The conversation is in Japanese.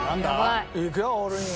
いくよオールイン。